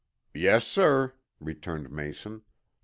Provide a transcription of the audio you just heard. "Yes, sir," returned Mason.